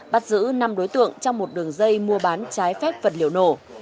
bắt giữ năm đối tượng trong một đường dây mua bán trái phép vật liệu nổ